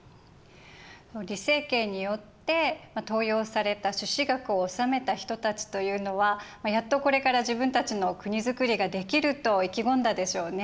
李成桂によって登用された朱子学を修めた人たちというのはやっとこれから自分たちの国づくりができると意気込んだでしょうね。